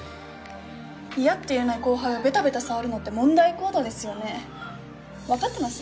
嫌って言えない後輩をベタベタ触るのって問題行動ですよね分かってます？